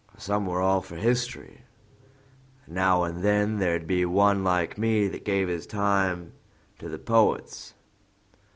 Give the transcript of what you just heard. or some were all for history, and now and then there'd be one like me that gave his time to the poets.